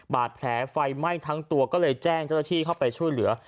บาดแผลไฟไหม้ทั้งตัวก็เลยแจ้งเจ้าหน้าที่เข้าไปช่วยเหลือ